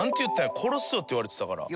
殺すぞって言われてたから。